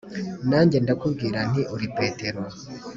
Nanjye ndakubwira nti ‘Uri Petero,